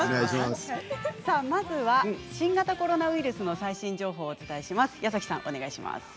まずは新型コロナウイルスの最新情報です。